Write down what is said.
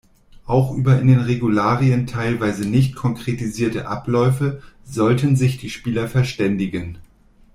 Auch über in den Regularien teilweise nicht konkretisierte Abläufe sollten sich die Spieler verständigen.